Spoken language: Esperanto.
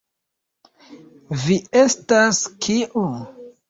Vi estas, kiu.